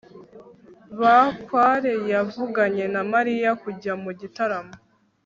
bakware yavuganye na mariya kujya mu gitaramo